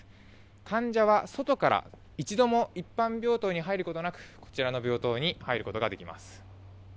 患者は外から一度も一般病棟に入ることなく、こちらの病棟に入ることができます。